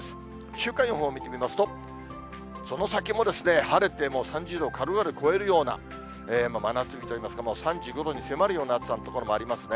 週間予報見てみますと、その先も晴れてもう３０度を軽々超えるような、真夏日といいますか、もう３５度に迫るような暑さの所もありますね。